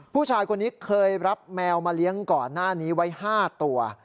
ผู้ชายคนนี้เคยรับแมวมาเลี้ยงก่อนหน้านี้ไว้๕ตัว